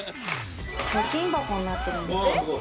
貯金箱になってるんです。